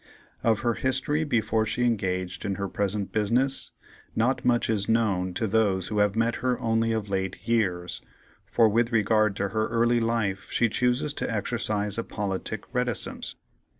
Of her history before she engaged in her present business, not much is known to those who have met her only of late years, for with regard to her early life she chooses to exercise a politic reticence.